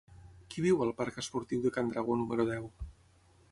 Qui viu al parc Esportiu de Can Dragó número deu?